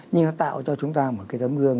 nhưng nó tạo cho chúng ta một cái tấm gương